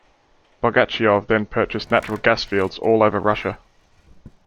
Bogachyov then purchased natural gas fields all over Russia.